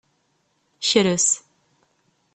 Kres.